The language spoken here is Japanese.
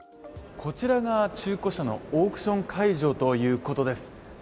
こちらが中古車のオークション会場ということです。